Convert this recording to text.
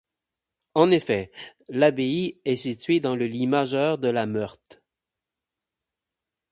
En effet, l'abbaye est située dans le lit majeur de la Meurthe.